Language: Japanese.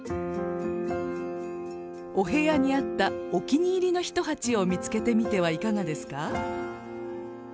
お部屋に合ったお気に入りの一鉢を見つけてみてはいかがですか？